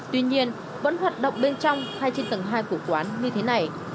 tuy nhiên vẫn hoạt động bên trong hay trên tầng hai của quán như thế này